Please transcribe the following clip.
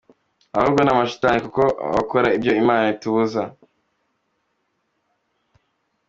Ahubwo ni amashitani kuko baba bakora ibyo imana itubuza.